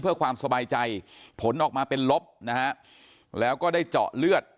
เพื่อความสบายใจผลออกมาเป็นลบนะฮะแล้วก็ได้เจาะเลือด